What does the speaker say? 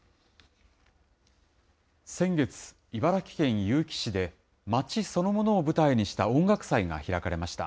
先月、茨城県結城市で、街そのものを舞台にした音楽祭が開かれました。